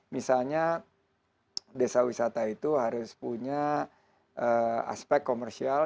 misalnya desa wisata itu harus punya aspek komersial